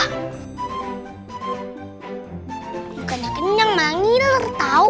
bukan yang keningin yang mangiler tau